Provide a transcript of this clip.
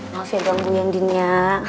maaf ya dong bu nya andin ya